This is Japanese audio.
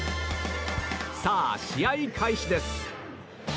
さあ、試合開始です。